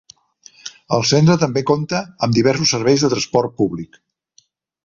El centre també compta amb diversos serveis de transport públic.